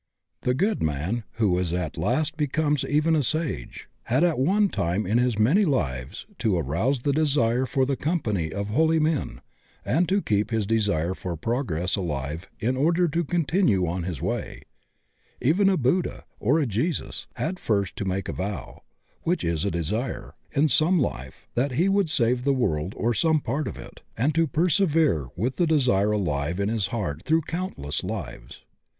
The good man who at last becomes even a sage had at one time in his many lives to arouse the desire for the company of holy men and to keep his desire for progress alive in order to continue on his way. Even a Buddha or a Jesus had first to make a vow, which is a desire, in some life, that he would save the world or some part of it, and to persevere with the desire alive in his heart through countless lives.